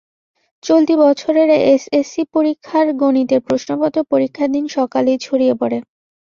চলতি বছরের এসএসসি পরীক্ষার গণিতের প্রশ্নপত্র পরীক্ষার দিন সকালেই ছড়িয়ে পড়ে।